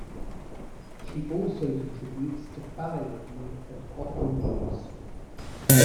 She also contributes to "Ballet Review" and "Opera News".